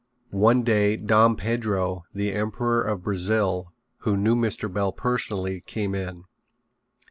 One day Dom Pedro, the Emperor of Brazil, who knew Mr. Bell personally, came in.